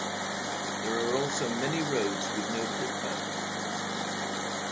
There are also many roads with no footpath.